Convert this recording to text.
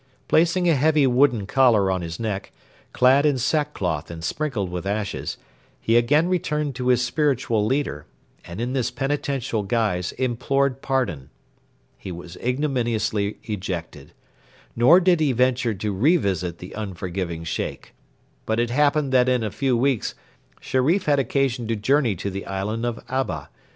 Placing a heavy wooden collar on his neck, clad in sackcloth and sprinkled with ashes, he again returned to his spiritual leader, and in this penitential guise implored pardon. He was ignominiously ejected. Nor did he venture to revisit the unforgiving Sheikh. But it happened that in a few weeks Sherif had occasion to journey to the island of Abba.